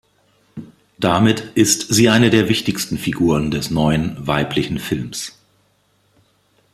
Damit ist sie eine der wichtigsten Figuren des neuen „weiblichen Films“.